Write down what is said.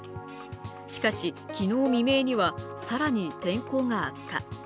しかし、昨日未明には更に天候が悪化。